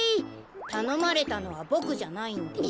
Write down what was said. たのまれたのはボクじゃないんで。